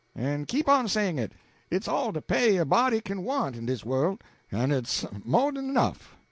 En keep on sayin' it! It's all de pay a body kin want in dis worl', en it's mo' den enough.